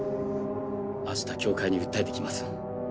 明日協会に訴えてきます。